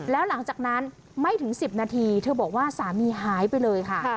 แล้วหลังจากนั้นไม่ถึง๑๐นาทีเธอบอกว่าสามีหายไปเลยค่ะ